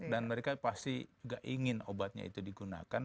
dan mereka pasti tidak ingin obatnya itu digunakan